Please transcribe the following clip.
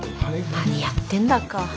何やってんだか。